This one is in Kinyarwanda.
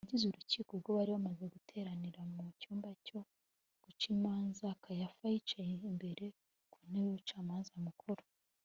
abagize urukiko ubwo bari bamaze guteranira mu cyumba cyo guca imanza, kayafa yicaye imbere ku ntebe y’umucamanza mukuru